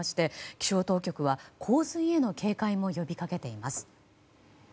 気象当局は洪水への警戒も呼びかけています。